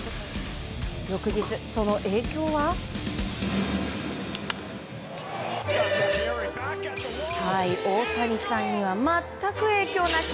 翌日、その影響は。大谷さんには全く影響なし！